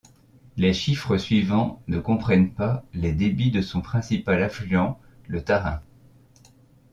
Les chiffres suivants ne comprennent pas les débits de son principal affluent, le Tarun.